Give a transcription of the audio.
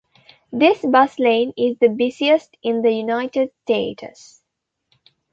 This bus lane is the busiest in the United States.